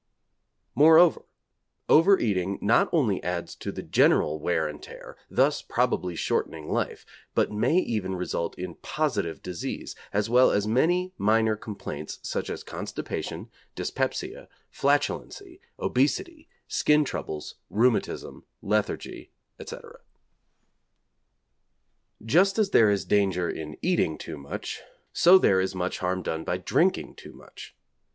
Moreover, over eating not only adds to the general wear and tear, thus probably shortening life, but may even result in positive disease, as well as many minor complaints such as constipation, dyspepsia, flatulency, obesity, skin troubles, rheumatism, lethargy, etc. Just as there is danger in eating too much, so there is much harm done by drinking too much.